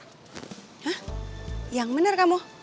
hah yang bener kamu